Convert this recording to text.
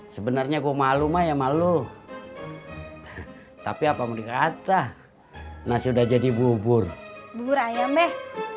sebenarnya gue malu mah ya malu tapi apa mau dikata nasi udah jadi bubur bubur ayam deh